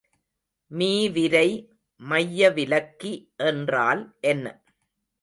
மீவிரை மையவிலக்கி என்றால் என்ன?